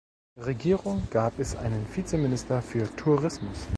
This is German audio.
Regierung gab es einen Vizeminister für Tourismus.